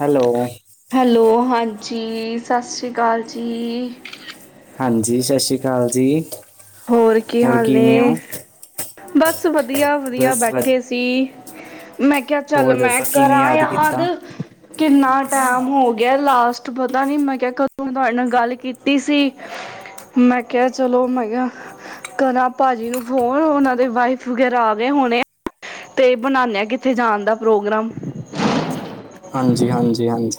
Hello hello ਹਾਂਜੀ ਸਾਸਸ੍ਰੀ ਕਾਲ ਜੀ। ਹਾਂਜੀ ਸਤਿ ਸ਼੍ਰੀ ਅਕਾਲ ਜੀ। ਹੋਰ ਕੀ ਹਾਲ ਕਿਵੇਂ ਹੋ ਨੇ ਬਸ ਵਧੀਆ, ਵਧੀਆ ਬਸ ਵ ਬੈਠੇ ਸੀ ਮੈਂ ਕਿਹਾ ਚੱਲ ਹੋਰ ਮੈਂ ਦੱਸੋ ਕਿਵੇਂ ਕਰਾਂ ਕੀਤਾ ਯਾਦ ਕਿੰਨਾ ਟਾਈਮ ਹੋ ਗਿਆ ਲਾਸਟ ਪਤਾ ਨੀ ਮੈਂ ਕਿਹਾ ਕਦੋਂ ਤੁਹਾਡੇ ਨਾਲ ਗੱਲ ਕੀਤੀ ਸੀ ਮੈਂ ਕਿਹਾ ਚਲੋ ਮੈਂ ਕਿਹਾ ਕਰਾਂ ਭਾਜੀ ਨੂੰ ਫੋਨ, ਉਹਨਾਂ ਦੇ ਵਾਈਫ ਵਗੈਰਾ ਆ ਗਏ ਹੋਣੇ ਤੇ ਬਣਾਉਦੇ, ਕਿਤੇ ਜਾਣ ਦਾ ਪ੍ਰੋਗਰਾਮ ਹਾਂਜੀ- ਹਾਂਜੀ -ਹਾਂਜੀ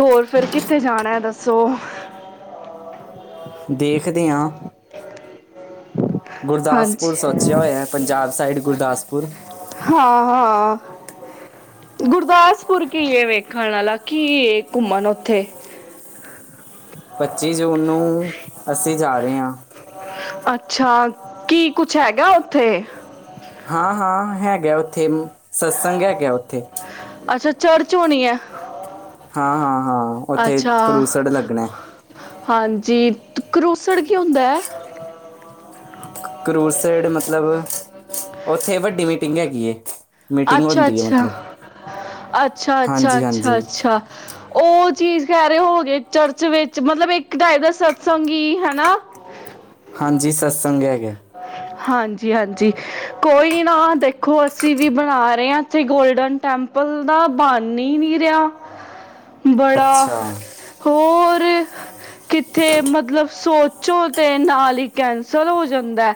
ਹੋਰ ਫਿਰ ਕਿੱਥੇ ਜਾਣਾ ਹੈ ਦੱਸੋ ਦੇਖਦੇ ਆਂ। ਗੁਰਦਾਸਪੁਰ ਹਾਂਜੀ ਸੋਚਿਆ ਹੋਇਆ। ਪੰਜਾਬ ਸਾਈਡ ਗੁਰਦਾਸਪੁਰ। ਹਾਂ-ਹਾਂ। ਗੁਰਦਾਸਪੁਰ ਕੀ ਏ ਵੇਖਣ ਵਾਲਾ, ਕੀ ਏ ਘੁੰਮਣ ਉੱਥੇ? ਪੱਚੀ ਜੂਨ ਨੂੰ ਅਸੀਂ ਜਾ ਰਹੇ ਆ। ਅੱਛਾ। ਕੀ ਕੁੱਛ ਹੈਗਾ ਉੱਥੇ? ਹਾਂ-ਹਾਂ ਹੈਗਾ ਉੱਥੇ, ਮ ਸਤਸੰਗ ਹੈਗਾ ਉੱਥੇ। ਅੱਛਾ ਚਰਚ ਹੋਣੀ ਐ। ਹਾਂ-ਹਾਂ-ਹਾਂ ਉੱਥੇ ਅੱਛਾ ਕਲੂਸੜ ਲੱਗਣਾ ਐ। ਹਾਂਜੀ। ਤ ਕਲੂਸੜ ਕੀ ਹੁੰਦਾ ਐ। ਕਲੂਸੜ ਮਤਲਬ, ਉੱਥੇ ਵੱਡੀ ਮੀਟਿੰਗ ਹੈਗੀ ਏ। ਮੀਟਿੰਗ ਹੁੰਦੀ ਹੈ ਅੱਛਾ-ਅੱਛਾ, ਮਤਲਬ ਅੱਛਾ-ਅੱਛਾ, ਹਾਂਜੀ ਹਾਂਜੀ ਅੱਛਾ-ਅੱਛਾ। ਉਹ ਚੀਜ਼ ਕਹਿ ਰਹੇ ਹੋ ਗਏ ਚਰਚ ਵਿੱਚ ਮਤਲਬ ਇੱਕ ਟਾਈ ਦਾ ਸਤਸੰਗ ਹੀ ਹਨਾ [inaudible] ਹਾਂਜੀ ਸਤਸੰਗ ਹੈਗਾ ਹਾਂਜੀ- ਹਾਂਜੀ ਕੋਈ ਨਾ ਦੇਖੋ ਅਸੀਂ ਵੀ ਬਣਾ ਰਹੇ ਆ ਇਥੇ ਗੋਲਡਨ ਟੈਂਪਲ ਦਾ, ਬਣ ਹੀ ਨੀ ਰਿਹਾ ਬੜਾ, ਅੱਛਾ, ਹੋਰ ਕਿੱਥੇ ਮਤਲਬ ਸੋਚ ਸੋਚਣ ਤੇ ਨਾਲ ਹੀ ਕੈਂਸਲ ਹੋ ਜਾਂਦਾ,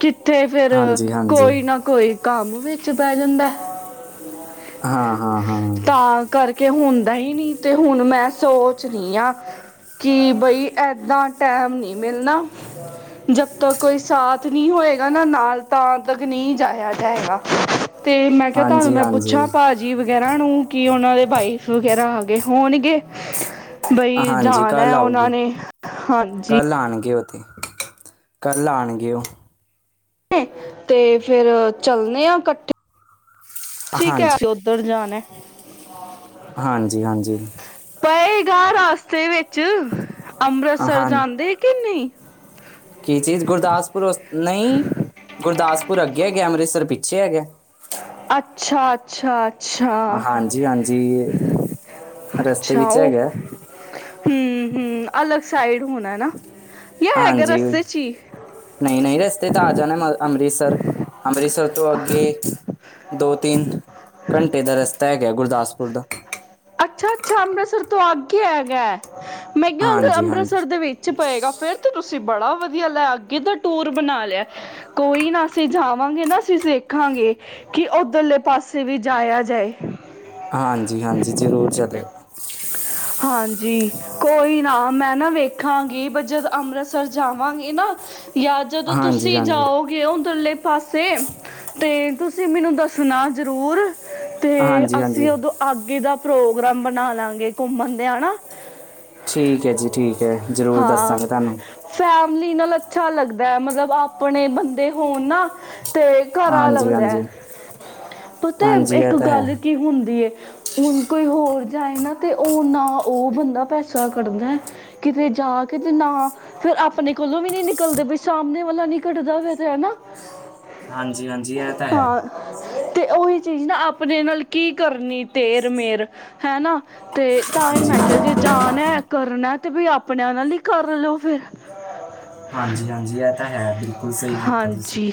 ਕਿੱਥੇ ਫਿਰ ਹਾਂਜੀ-ਹਾਂਜੀ, ਕੋਈ ਨਾ ਕੋਈ ਕੰਮ ਵਿੱਚ ਬਹਿ ਜਾਂਦਾ ਹਾਂ- ਹਾਂ -ਹਾਂ ਤਾਂ ਕਰਕੇ ਹੁੰਦਾ ਹੀ ਨੀ ਤੇ ਹੁਣ ਮੈਂ ਸੋਚ ਰਹੀ ਹਾਂ ਕੀ ਬਈ ਇੱਦਾਂ ਟਾਈਮ ਨਹੀਂ ਮਿਲਣਾ ਜਦ ਤੱਕ ਕੋਈ ਸਾਥ ਨਹੀਂ ਹੋਏਗਾ ਨਾ ਨਾਲ, ਤਾਂ ਤੱਕ ਨਹੀਂ ਜਾਇਆ ਜਾਏਗਾ ਤੇ ਮੈਂ ਕਿਹਾ ਤੁਹਾਨੂੰ ਹਾਂਜੀ-ਹਾਂਜੀ। ਮੈਂ ਪੁੱਛਾਂ ਹਾਂਜੀ, ਹਾਂਜੀ ਭਾ ਜੀ ਵਗੈਰਾ ਨੂੰ ਕੀ ਉਹਨਾਂ ਦੇ ਵਾਈਫ ਵਗੈਰਾ ਆ ਗਏ ਹੋਣਗੇ ਬਈ ਹਾਂਜੀ ਜਾਣਾ ਹੈ ਉਹਨਾਂ ਨੇ, ਹਾਂਜੀ ਲਾਉਣਗੇ ਉਹ ਤੇ ਕਲ ਆਉਣਗੇ ਉਹ ਨੇ, ਤੇ ਫੇਰ ਚੱਲਣੇ ਆ ਇਕੱਠੇ ਤੁਸੀਂ ਕਹਿ ਹਾਂਜੀ, ਰਹੇ ਉਧਰ ਜਾਣਾ ਹਾਂਜੀ- ਹਾਂਜੀ ਪਏਗਾ ਰਸਤੇ ਵਿੱਚ, ਅੰਮ੍ਰਿਤਸਰ ਹਾਂ ਜਾਂਦੇ ਕਿ ਨਹੀਂ ਕੀ ਚੀਜ਼ ਗੁਰਦਾਸਪੁਰ ਨਹੀਂ, ਗੁਰਦਾਸਪੁਰ ਅੱਗੇ ਹੈਗੇ ਅੰਮ੍ਰਿਤਸਰ ਪਿੱਛੇ ਹੈਗੇ ਅੱਛਾ, ਅੱਛਾ ਅੱਛਾ, ਹਾਂਜੀ-ਹਾਂਜੀ, ਰਸਤੇ ਅੱਛਾ ਵਿੱਚ ਉਹ ਹੈਗਾ, ਹਮ, ਹਮ ਅਲਗ ਸਾਈਡ ਹੋਣਾ ਨਾ ਜਾਂ ਹੈਗਾ ਹਾਂਜੀ, ਰਸਤੇ 'ਚ ਹੀ ਨਹੀਂ- ਨਹੀਂ ਰਸਤੇ ਤੇ ਆ ਜਾਣੇ ਮ ਅੰਮ੍ਰਿਤਸਰ, ਅੰਮ੍ਰਿਤਸਰ ਤੋਂ ਅੱਗੇ ਦੋ- ਤਿੰਨ ਘੰਟੇ ਦਾ ਰਸਤਾ ਹੈਗਾ ਗੁਰਦਾਸਪੁਰ ਦਾ ਅੱਛਾ- ਅੱਛਾ ਅੰਮ੍ਰਿਤਸਰ ਤੋਂ ਅੱਗੇ ਹੈਗਾ, ਮੈਂ ਕਿਹਾ ਹਾਂਜੀ-ਹਾਂਜੀ। ਅੰਮ੍ਰਿਤਸਰ ਦੇ ਵਿੱਚ ਪਏਗਾ ਫਿਰ ਤਾਂ ਤੁਸੀਂ ਬੜਾ ਵਧੀਆ ਲਾਇ ਅੱਗੇ ਦਾ ਟੂਰ ਬਣਾ ਲਿਆ। ਕੋਈ ਨਾ ਅਸੀਂ ਜਾਵਾਂਗੇ ਨਾ ਅਸੀਂ ਵੇਖਾਂਗੇ। ਕਿ ਉੱਧਰਲੇ ਪਾਸੇ ਵੀ ਜਾਇਆ ਜਾਏ? ਹਾਂਜੀ ਹਾਂਜੀ ਜ਼ਰੂਰ ਚੱਲਿਓ। ਹਾਂਜੀ ਕੋਈ ਨਾ ਮੈਂ ਨਾ ਵੇਖਾਂਗੀ ਜਦੋਂ ਅੰਮ੍ਰਿਤਸਰ ਜਾਵਾਂਗੀ ਨਾ ਜਾਂ ਜਦੋਂ ਹਾਂਜੀ ਤੁਸੀਂ ਹਾਂਜੀ ਜਾਓ। ਗਏ ਉਧਰ ਲੇ ਪਾਸੇ ਤੇ ਤੁਸੀਂ ਮੈਨੂੰ ਦੱਸਣਾ ਜ਼ਰੂਰ ਤੇ ਹਾਂਜੀ ਹਾਂਜੀ ਅਸੀਂ ਉਦੋਂ ਅਗੇ ਦਾ ਪ੍ਰੋਗਰਾਮ ਬਣਾ ਲਾਂਗੇ ਘੁੰਮਣ ਦੀਆ ਨਾ। ਠੀਕ ਹੈ ਜੀ ਠੀਕ ਹੈ ਜ਼ਰੂਰ ਦੱਸਾਂਗੇ ਤੁਹਾਨੂੰ ਫੈਮਿਲੀ ਨਾਲ ਅੱਛਾ ਲੱਗਦਾ ਮਤਲਬ ਆਪਣੇ ਬੰਦੇ ਹੋਣ ਨਾ ਅਤੇ ਘਰ ਹਾਂਜੀ ਲੱਗਦਾ ਹਾਂਜੀ ਹੈ ਪਤਾ ਹਾਂਜੀ ਇਹ ਇੱਕ ਤਾਂ ਹੈ ਗੱਲ ਕੀ ਹੁੰਦੀ ਹੁਣ ਕੋਈ ਹੋਰ ਜਾਏ ਨਾ ਤੇ ਉਹ ਨਾ ਉਹ ਬੰਦਾ ਪੈਸਾ ਕੱਢਦਾ ਕਿਤੇ ਜਾ ਕੇਤੇ ਨਾ ਫੇਿਰ ਆਪਣੇ ਕੋਲੋਂ ਵੀ ਨੀ ਨਿਕਲਦੇ ਬਈ ਸਾਹਮਣੇ ਵਾਲਾ ਨੀ ਕੱਢਦਾ ਫਿਰ ਤੇ ਹੈਾ ਹਾਂਜੀ ਹਾਂਜੀ ਇਹ ਤਾਂ ਹੈ ਤੇ ਉਹੀ ਚੀਜ਼ ਨਾ ਆਪਣੇ ਨਾਲ ਕੀ ਕਰਨੀ ਤੇਰ ਮੇਰ ਹੈਾ ਤੇ ਤਾਂ ਹੀ ਹਾਂਜੀ ਮੈਂ ਕਿਹਾ ਜੇ ਜਾਣਾ ਕਰਨਾ ਤੇ ਵੀ ਆਪਣੇ ਉਹਨਾਂ ਲਈ ਕਰ ਲਓ ਫਿਰ ਹ ਹਾਂਜੀ ਹਾਂਜੀ ਇਹ ਤਾਂ ਹੈ ਬਿਲਕੁਲ ਸਹੀ ਕੀਤਾ ਤੁਸੀਂ ਹਾਂਜੀ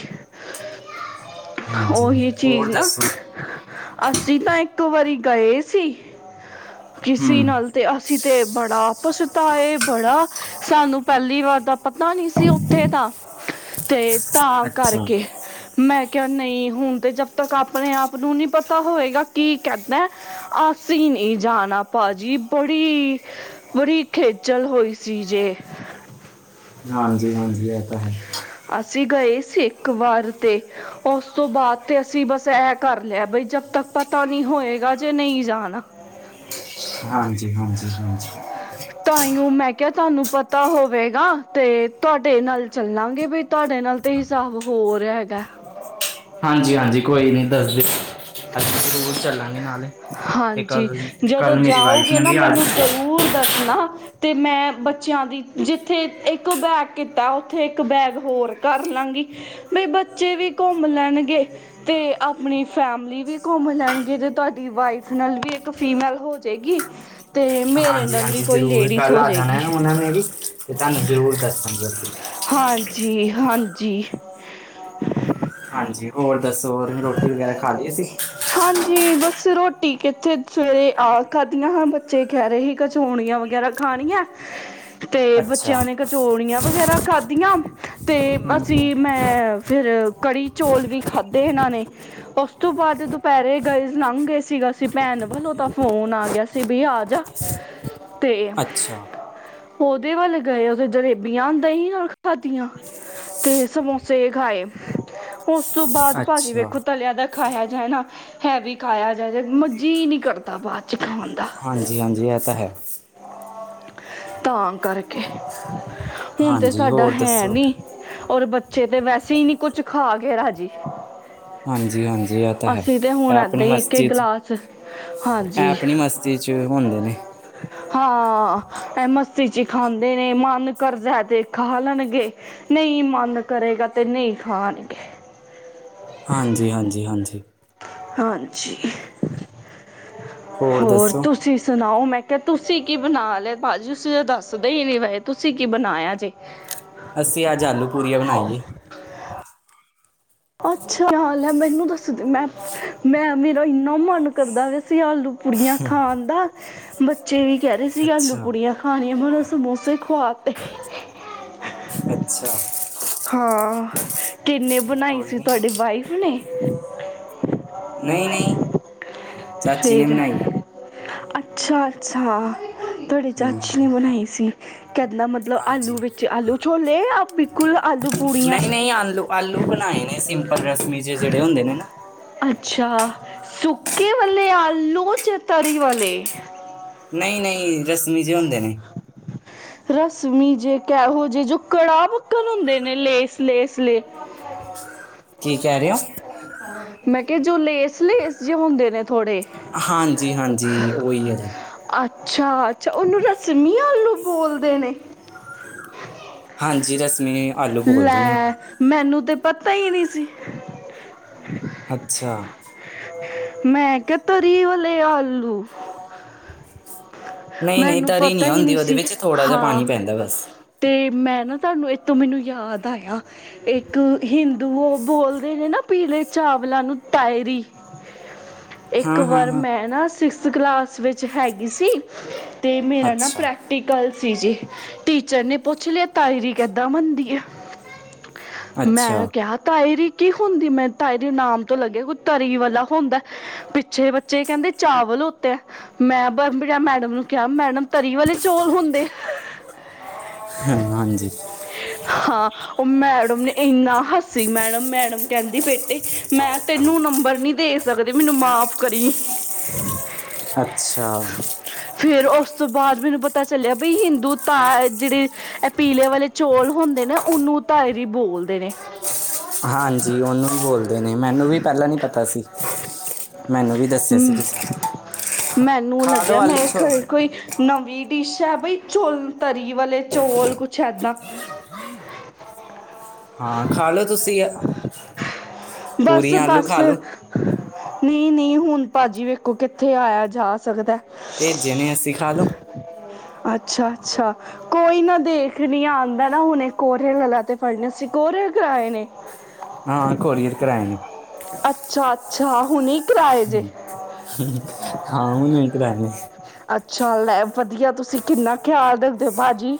ਹਾਂਜੀ ਉਹੀ ਚੀਜ਼ ਹੋਰ ਨਾ ਦੱਸੋ ਅਸੀਂ ਤਾਂ ਇੱਕ ਵਾਰੀ ਗਏ ਸੀ ਕਿੇ ਹੂੰ ਨਾਲ ਤਾਂ ਅਸੀਂ ਤਾਂ ਬੜਾ ਪਛਤਾਏ ਬੜਾ ਸਾਨੂੰ ਪਹਿਲੀ ਵਾਰ ਤਾਂ ਪਤਾ ਨੀ ਸੀ ਉੱਥੇ ਦਾ ਤੇ ਤਾਂ ਅੱਛਾ ਕਰਕੇ। ਮੈਂ ਕਿਹਾ ਨਹੀਂ ਹੁਣ ਤੇ ਜਦ ਤੱਕ ਆਪਣੇ ਆਪ ਨੂੰ ਨਹੀਂ ਪਤਾ ਹੋਵੇਗਾ ਕੀ ਕਹਿੰਦਾ। ਅਸੀਂ ਨਹੀਂ ਜਾਣਾ ਭਾਜੀ ਬੜੀ ਬੜੀ ਖੇਚਲ ਹੋਈ ਸੀ ਜੇ। ਹਾਂਜੀ ਹਾਂਜੀ ਇਹ ਤਾਂ ਹੈ। ਅਸੀਂ ਗਏ ਸੀ ਇੱਕ ਵਾਰ 'ਤੇ ਉਸ ਤੋਂ ਬਾਅਦ ਤੇ ਅਸੀਂ ਬਸ ਇਹ ਤੱਕ ਪਤਾ ਨਹੀਂ ਹੋਏਗਾ ਜੇ ਨਹੀਂ ਜਾਣਾ ਹਾਂਜੀ ਹਾਂਜੀ ਹਾਂਜੀ। ਤਾਂ ਹੀਓ ਮੈਂ ਕਿਹਾ ਤੁਹਾਨੂੰ ਪਤਾ ਹੋਵੇਗਾ ਤੇ ਤੁਹਾਡੇ ਨਾਲ ਚੱਲਾਂਗੇ ਬੀ ਤੁਹਾਡੇ ਨਾਲ ਤੇ ਹਿਸਾਬ ਹੋਰ ਹੈਗਾ। ਹਾਂਜੀ ਹਾਂਜੀ ਕੋਈ ਨੀ ਦੱਸ ਦਿਓ ਅਸੀਂ ਜ਼ਰੂਰ ਚੱਲਾਂਗੇ ਨਾਲੇ ਜੀ ਕੱਲ ਜਦੋਂ ਕੱਲ ਮੇਰੀ ਵਾਈਫ ਜਾਓਗੇ ਨੇ ਨਾ ਵੀ ਆ ਮੈਨੂੰ ਜਾਣਾ ਜ਼ਰੂਰ ਦੱਸਣਾ। ਅਤੇ ਮੈਂ ਬੱਚਿਆਂ ਦੀ ਜਿੱਥੇ ਇੱਕ ਬੈਗ ਕੀਤਾ ਉੱਥੇ ਇੱਕ ਬੈਗ ਹੋਰ ਕਰ ਲਾਂਗੀ। ਬੀ ਬੱਚੇ ਵੀ ਘੁੰਮ ਲੈਣਗੇ। ਤੇ ਆਪਣੀ ਫੈਮਿਲੀ ਵੀ ਘੁੰਮ ਲੈਣਗੇ ਤੇ ਤੁਹਾਡੀ ਵਾਈਫ ਨਾਲ ਵੀ ਇੱਕ ਫੀਮੈਲ ਹੋ ਜੇਗੀ। ਹਾਂਜੀ ਹਾਂਜੀ ਜ਼ਰੂਰ ਕੱਲ੍ਹ ਆ ਜਾਣਾ ਜਾਏਗੀ ਨਾ ਉਹਨਾਂ ਨੇ ਵੀ ਤੇ ਤੁਹਾਨੂੰ ਜ਼ਰੂਰ ਦੱਸਾਂਗੇ ਅਸੀਂ। ਹਾਂਜੀ ਹਾਂਜੀ। ਹਾਂਜੀ ਹੋਰ ਦੱਸੋ ਹੋਰ ਰੋਟੀ ਵਗੈਰਾ ਖਾ ਲਈ ਸੀਂ। ਹਾਂਜੀ ਬਸ ਰੋਟੀ ਕਿੱਥੇ ਸਵੇਰੇ ਆ ਖਾਧੀਆਂ ਹਾਂ ਬੱਚੇ ਕਹਿ ਰਹੇ ਸੀ ਖਚੋਉਰੀਆਂ ਵਗੈਰਾ ਖਾਣੀ ਆ ਤੇ ਅੱਛਾ ਬੱਚਿਆਂ ਨੇ ਕਚੋਰੀਆਂ ਵਗੈਰਾ ਖਾਧੀਆਂ ਤੇ ਹੂੰ ਹੂੰ ਅਸੀਂ ਮੈਂ ਫਿਰ ਕੜੀ ਚੌਲ ਵੀ ਖਾਧੇ ਇਹਨਾਂ ਨੇ। ਉਸ ਤੋਂ ਬਾਅਦ ਦੁਪਹਿਰੇ ਗਏ ਲੰਘ ਗਏ ਸੀ ਸੀ ਭੈਣ ਵੱਲੋਂ ਤਾਂ ਫੋਨ ਆ ਗਿਆ ਸੀ ਬੀ ਆਜਾ। ਤੇ ਅੱਛਾ ਉਹਦੇ ਵੱਲ ਗਏ ਉਥੇ ਜਲੇਬੀਆਂ ਦਹੀਂ ਨਾਲ ਖਾਦੀਆਂ। ਤੇ ਸਮੋਸੇ ਖਾਏ ਉਸ ਤੋਂ ਬਾਅਦ ਭਾਜੀ ਅੱਛਾ ਵੇਖੋ ਤਲਿਆ ਦਾ ਖਾਇਆ ਜਾਏ ਨਾ ਹੈ ਵੀ ਖਾਇਆ ਜਾਏ ਮਰ ਜੀ ਨਹੀਂ ਕਰਦਾ ਬਾਤ, ਚਾਹ ਹੋਂਦਾ ਹਾਂਜੀ ਹਾਂਜੀ ਇਹ ਤਾਂ ਹੈ ਤਾਂ ਕਰਕੇ, ਹੁਣ ਤੇ ਹਾਂਜੀ ਸਾਡਾ ਹੋਰ ਹੈ ਦੱਸੋ ਨੀ, ਹੋਰ ਬੱਚੇ ਤੇ ਵੈਸੇ ਹੀ ਨਹੀਂ ਕੁਛ ਖਾ ਕੇ ਰਾਜੀ, ਹਾਂਜੀ ਹਾਂਜੀ, ਇਹ ਤਾਂ ਹੈ, ਅਸੀਂ ਤੇ ਇਹ ਹੁਣ ਆਪਣੀ ਏਦਾਂ ਹੀ ਇੱਕ ਇੱਕ ਮਸਤੀ ਚ ਗਲਾਸ ਇਹ ਹਾਂਜੀ ਆਪਣੀ ਮਸਤੀ ਚ ਹੁੰਦੇ ਨੇ, ਹਾਂ ਇਹ ਮਸਤੀ ਚ ਹੀ ਖਾਂਦੇ ਨੇ, ਮਨ ਕਰਜ਼ਾ ਤੇ ਖਾ ਲੈਣਗੇ। ਨਹੀਂ ਮਨ ਕਰੇਗਾ ਤੇ ਨਹੀਂ ਖਾਣਗੇ। ਹਾਂਜੀ ਹਾਂਜੀ ਹਾਂਜੀ, ਹਾਂਜੀ ਹੋਰ ਤੁਸੀਂ ਸੁਣਾਓ, ਮੈਂ ਤੇ ਤੁਸੀਂ ਕੀ ਬਣਾ ਲਏ, ਭਾਜੀ ਤੁਸੀਂ ਤਾਂ ਦੱਸਦੇ ਹੀ ਨੀ ਪਏ, ਤੁਸੀਂ ਕੀ ਬਣਾਇਆ ਜੇ। ਅਸੀਂ ਅੱਜ ਆਲੂ ਪੁੜਿਆਂ ਬਣਾਈ ਏ। ਅੱਛਾ ਖ਼ਯਾਲ ਹੈ ਮੈਨੂੰ ਦੱਸਦੇ, ਮੈਂ ਮੈਂ ਮੇਰਾ ਇੰਨਾ ਮਨ ਕਰਦਾ ਪਯਾ ਸੀ, ਆਲੂ ਪੁੜਿਆਂ ਖਾਣ ਦਾ। ਬੱਚੇ ਵੀ ਕਹਿਦੇ ਰਹੇ ਸੀ ਆਲੂ ਅੱਛਾ ਪੁੜਿਆਂ ਖਾਣੀਆਂ, ਪਰ ਸਮੋਸੇ ਖਵਾਤੇ। ਅੱਛਾ। ਹਾਂ, ਕਿੰਨੇ ਬਣਾਈ ਕੋਈ ਸੀ ਨਹੀਂ ਤੁਹਾਡੀ ਵਾਈਫ ਨੇ? ਨਹੀਂ ਨਹੀਂ, ਚਾਚੀ ਨੇ ਫਿਰ ਬਨਾਈ ਹੈ। ਅੱਛਾ ਅੱਛਾ, ਤੁਹਾਡੀੇ ਚਾਚੀ ਹੂੰ ਨੇ ਬਣਾਈ ਸੀ। ਕਿੱਦਾਂ ਮਤਲਬ ਹਾਂਜੀ ਆਲੂ ਵਿੱਚ, ਆਲੂ ਛੋਲੇ ਯਾ ਬਿਲਕੁਲ ਆਲੂ ਪੁੜਿਆਂ। ਨਹੀਂ ਨਹੀਂ ਆਲੂ ਆਲੂ ਬਣਾਏ ਨੇ ਸਿੰਪਲ ਰਸਮੀਸੇ ਜਏ ਜਿਹੜੇ ਹੁੰਦੇ ਨੇ ਨਾ। ਅੱਛਾ ਸੁੱਕੇ ਵੱਲੇ ਆਲੂ 'ਚ ਤਰੀ ਵਲੇ? ਨਹੀਂ ਨਹੀਂ ਰਸਮੀ ਜੇ ਹੁੰਦੇ ਨੇ, ਰਸਮੀ ਜੇ ਕਿਹੋ ਜਿ ਜੋ ਕੜਾਹ ਪੱਕਣ ਹੁੰਦੇ ਨੇ ਲੇਸ ਲੇਸ, ਹੂੰ, [unintelligible] ਕੀ ਕਹਿ ਰਹੇ ਹੋ? ਹਾਂ ਮੈਂ ਕਿਹਾ ਜੋ ਲੇਸ ਲੇਸ ਜਿਹੇ ਹੁੰਦੇ ਨੇ ਥੋੜ੍ਹੇ, ਹਾਂਜੀ-ਹਾਂਜੀ ਉਹੀ ਹੈ ਜੀ, ਅੱਛਾ-ਅੱਛਾ ਉਹਨੂੰ ਰਸਮੀ ਆਲੂ ਬੋਲਦੇ ਨੇ, ਹਾਂਜੀ ਰਸਮੀ ਆਲੂ ਬੋਲਦੇ ਨੇ ਉਹ, ਲੈ ਮੈਨੂੰ ਤੇ ਪਤਾ ਹੀ ਨਹੀਂ ਸੀ। ਅੱਛਾ ਮੈਂ ਕਿਹਾ ਤਰੀ ਵਾਲੇ ਆਲੂ, ਨਹੀਂ ਨਹੀਂ ਮੈਨੂੰ ਤਰੀ ਪਤਾ ਹੀ ਹੁੰਦੀ ਨਹੀਂ ਉਹਦੇ ਸੀ ਵਿੱਚ ਥੋੜਾ ਜਿਹਾ ਹਾਂ, ਪਾਣੀ ਪੈਂਦਾ ਬਸ ਤੇ ਮੈਂ ਨਾ ਤੁਹਾਨੂੰ, ਇਹਥੋਂ ਮੈਨੂੰ ਯਾਦ ਆਇਆ। ਇੱਕ ਹਿੰਦੂ ਉਹ ਬੋਲਦੇ ਨੇ ਨਾ, ਪੀਲੇ ਚਾਵਲਾਂ ਨੂੰ ਤਾਇਰੀ ਇੱਕ ਹਾਂ ਹਾਂ ਵਾਰ ਹਾਂ ਮੈਂ ਨਾ ਸਿਕਸਥ ਕਲਾਸ ਵਿੱਚ ਹੈਗੀ ਸੀ। ਅਤੇ ਮੇਰਾ ਨਾ ਅੱਛਾ ਪ੍ਰੈਕਟ ਕਲ ਸੀ ਜੀ, ਟੀਚਰ ਨੇ ਪੁੱਛ ਲਿਆ ਤਾਾਇਰੀ ਕਿੱਦਾਂ ਬਨਦੀ ਹੈ ਅੱਛਾ ਮੈਂ ਕਿਹਾ ਤਾਏਰੀ ਕੀ ਹੁੰਦੀ ਮੈਂ ਤਾਈ ਦੇ ਨਾਮ ਤੋਂ ਲੱਗਿਆ ਕੋਈ ਤਰੀ ਵਾਲਾ ਹੁੰਦਾ। ਪਿੱਛੇ ਬੱਚੇ ਕਹਿੰਦੇ ਚਾਵਲ ਉਤੇ ਹੈ ਮੈਂ ਬਰ ਮੈਡਮ ਨੂੰ ਕਿਹਾ ਮੈਡਮ ਤਰੀ, ਵਾਲੇ ਚੌਲ ਹੁੰਦੇ, ਹਾਂ, ਹਾਂਜੀ ਹਾਂ ਉਹ ਮੈਡਮ ਨੇ, ਇੰਨਾ ਹਸੀ ਮੈਡਮ, ਮੈਡਮ ਕਹਿੰਦੀ ਬੇਟੇ ਮੈਂ ਤੈਨੂੰ ਨੰਬਰ ਨਹੀਂ ਦੇ ਸਕਦੀ, ਮੈਨੂੰ ਮਾਫ਼ ਕਰੀ। ਅੱਛਾ, ਫੇਿਰ ਉਸ ਤੋਂ ਬਾਅਦ ਮੈਨੂੰ ਪਤਾ ਚੱਲਿਆ ਬਈ ਹਿੰਦੂ ਤਾ ਜਿਹੜੇ ਇਹ ਪੀਲੇ ਵਾਲੇ ਚੌਲ ਹੁੰਦੇ ਨਾ, ਉਹਨੂੰ ਤਾਇਰੀ ਬੋਲਦੇ ਨੇ ਹਾਂਜੀ, ਉਹਨੂੰ ਵੀ ਬੋਲਦੇ ਨੇ, ਮੈਨੂੰ ਵੀ ਪਹਿਲਾਂ ਨੀ ਪਤਾ ਸੀ। ਮੈਨੂੰ ਵੀ ਦੱਸਿਆ ਸੀ ਮ- ਕਿਸੇ ਮੈਨੂੰ ਖ ਲੱਗਿਆ ਮੈਂ ਖਰੇ ਕੋਈ ਨਵੀਂ ਡਿਸ਼ ਹੈ ਭਈ ਚੌਲ ਤਰੀ ਵਾਲੇ ਚੌਲ ਕੁਛ ਇੱਦਾਂ ਹਾਂ ਖਾ ਲੋ ਤੁਸੀਂ ਪੂਰੀਆਂ ਆਲੂ ਖਾਲੋ। ਨਹੀਂ-ਨਹੀਂ ਹੁਣ ਭਾਜੀ ਵੇਖੋ ਕਿੱਥੇ ਆਇਆ ਜਾ ਸਕਦਾ ਐ। ਭੇਜੇ ਨੇ ਅਸੀ ਖਾ ਲੋ। ਅੱਛਾ-ਅੱਛਾ ਕੋਈ ਨਾ ਦੇਖ ਨੀ ਰਹੀ ਏ ਨਾ ਹੁਣੇ ਕੋਰੀਅਰ ਵਾਲਾ ਤੇ ਪਾਈਆਂ ਸੀਂ ਕੋਰੀਅਰ ਕਰਾਏ ਨੇ। [inaudible] ਹਾਂ ਕੋਰੀਅਰ ਕਰਾਏ ਨੇ। ਅੱਛਾ- ਅੱਛਾ ਹੁਣੇ ਕਰਾਏ ਜੇ ਹਾਂ ਹੁਣ ਇੱਕ ਰਹੇਗੇ। ਅੱਛਾ ਲੈ ਵਧੀਆ ਤੁਸੀਂ ਕਿੰਨਾ ਖਿਆਲ ਰੱਖਦੇ ਹੋ ਭਾਜੀ।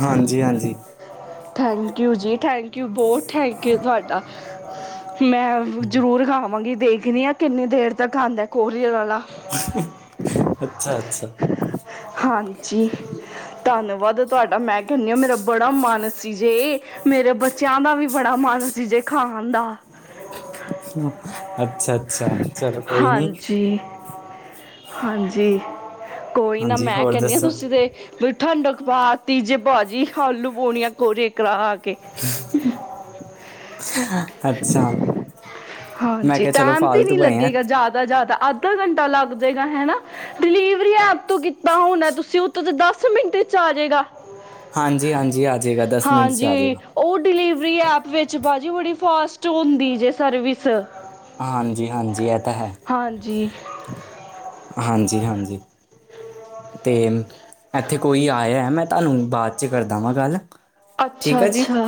ਹਾਂਜੀ- ਹਾਂਜੀ ਥੈਂਕ ਯੂ ਜੀ ਥੈਂਕੂ ਕ ਬਹੁਤ ਥੈਂਕ ਯੂ ਤੁਹਾਡਾ ਮੈਂ ਜ਼ਰੂਰ ਖਾਂਵਾਂਗੀ ਦੇਖਦੀ ਹਾਂ। ਕਿੰਨੀ ਦੇਰ ਤੱਕ ਆਉਂਦਾ ਕੋਰੀਅਰ ਆਲਾ। ਅੱਛਾ- ਅੱਛਾ ਹਾਂਜੀ ਧੰਨਵਾਦ ਤੁਹਾਡਾ ਮੈਂ ਕਹਨਿ ਹਾਂ ਮੇਰਾ ਬੜਾ ਮੰਨ ਸ ਸੀ ਜੇ ਮੇਰੇ ਬੱਚਿਆਂ ਦਾ ਵੀ ਬੜਾ ਮਨ ਸੀ ਜੇ ਖਾਣ ਦਾ ਅੱਛਾ-ਅੱਛਾ ਚਲੋ ਕੋਈ ਨੀ। ਹਾਂਜੀ ਹਾਂਜੀ ਕੋਈ ਨਾ ਹਾਂਜੀ ਮੈਂ ਹੋਰ ਕਹਿੰਨੀ ਆਂ ਦੱਸੋ ਤੁਸੀਂ ਦੇ ਵੇ ਠੰਡਕ ਪਾ ਤੀ ਜੇ ਭਾਜੀ ਆਲੂ-ਪੂੜੀਆਂ ਕੋਰੇ ਕਰਾਕੇ ਅੱਛਾ ਮੈਂ ਹਾਂਜੀ ਕਿਹਾ ਚਲੋ ਟਾਮ ਤੇ ਨਹੀਂ ਫਾਲਤੂ ਪਏ ਆ ਲੱਗੇਗਾ ਜਾਦਾ-ਜਾਦਾ ਅੱਧਾ ਘੰਟਾ ਲੱਗ ਜਾਏਗਾ ਹੈਨਾ। ਡਿਲੀਵਰੀ ਐਪ ਤੋਂ ਕੀਤਾ ਹੋਓ ਨਾ, ਤੁਸੀਂ ਉਹਤੋਂ ਤਾਂ ਦਸ ਮਿੰਟ ਚ ਆ ਜੇਗਾ। ਹਾਂਜੀ-ਹਾਂਜੀ, ਆਜੇਗਾ ਦਸ ਮਿੰਟ ਚ ਆ ਹਾਂਜੀ ਜੇਗਾ। ਉਹ ਡਿਲੀਵਰੀ ਐਪ ਵਿੱਚ ਭਾਜੀ ਬੜੀ ਫਾਸਟ ਹੁੰਦੀ ਜੇ ਸਰਵਿਸ। ਹਾਂਜੀ-ਹਾਂਜੀ ਐ ਤਾਂ ਹੈ। ਹਾਂਜੀ ਹਾਂਜੀ-ਹਾਂਜੀ। ਤੇ ਮ ਐਥੇ ਕੋਈ ਆਇਆ ਐ ਮੈਂ ਤੁਆਨੂੰ ਬਾਚ ਕਰਦਾ ਵਾਂ ਗੱਲ। ਠੀਕ ਆ ਜੀ ਅੱਛਾ-ਅੱਛਾ,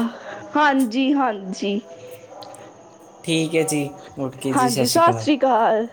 ਹਾਂਜੀ-ਹਾਂਜੀ। ਠੀਕ ਐ ਜੀ। ਓਕੇ ਜੀ ਸਤਿ ਹਾਂਜੀ, ਸਾਸ ਅਕਾਲ ਸ਼੍ਰੀ ਕਾਲ।